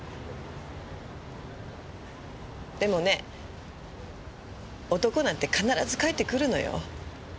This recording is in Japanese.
でもね男なんて必ず帰ってくるのよ。